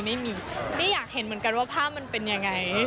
ไม่มีไม่อยากเห็นเหมือนกันว่าภาพมันเป็นยังไง